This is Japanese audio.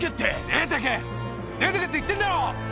出てけって言ってんだろ！